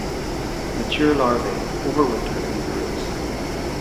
Mature larvae overwinter in the roots.